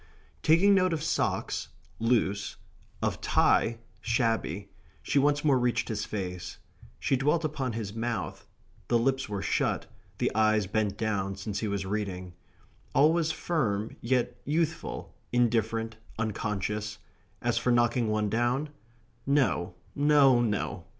Taking note of socks (loose), of tie (shabby), she once more reached his face. She dwelt upon his mouth. The lips were shut. The eyes bent down, since he was reading. All was firm, yet youthful, indifferent, unconscious as for knocking one down! No, no, no!